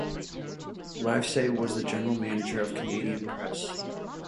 Livesay was the General Manager of Canadian Press.